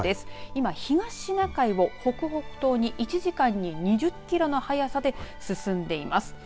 今、東シナ海を北北東に１時間に２０キロの速さで進んでいます。